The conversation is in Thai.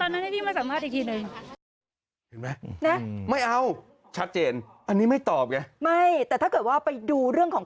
ตอนนั้นพี่มาสัมภาษณ์อีกทีหนึ่ง